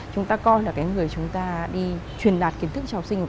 chúng ta coi là cái người chúng ta đi truyền đạt kiến thức cho học sinh